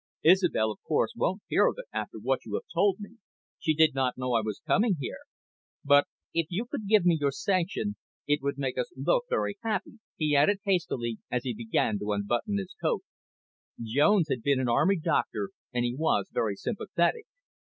"Isobel, of course, won't hear of it, after what you have told me; she did not know I was coming here. But if you could give your sanction, it would make us both very happy," he added hastily, as he began to unbutton his coat. Jones had been an army doctor, and he was very sympathetic.